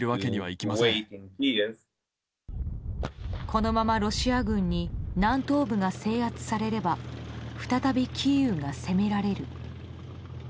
このままロシア軍に南東部が制圧されれば再び、キーウが攻められる。